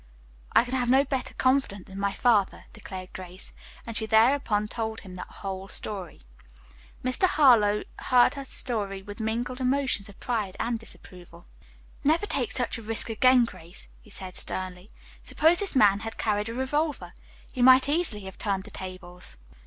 "I can have no better confidant than my father," declared Grace, and she thereupon told him the whole story. Mr. Harlowe heard her story with mingled emotions of pride and disapproval. "Never take such a risk again, Grace," he said sternly. "Suppose this man had carried a revolver. He might easily have turned the tables."